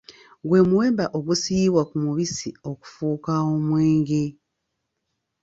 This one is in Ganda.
Gwe muwemba ogusiyibwa ku mubisi okufuuka omwenge.